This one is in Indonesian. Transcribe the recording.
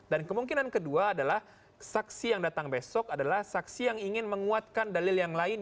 dan kemungkinan kedua adalah saksi yang datang besok adalah saksi yang ingin menguatkan dalil yang lain